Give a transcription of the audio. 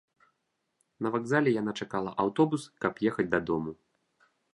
На вакзале яна чакала аўтобус, каб ехаць дадому.